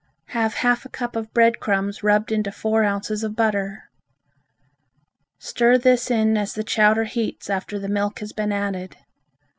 Have half a cup of bread crumbs rubbed into four ounces of butter. Stir this in as the chowder heats after the milk has been added.